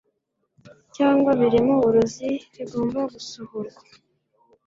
cyangwa birimo uburozi bigomba gusohorwa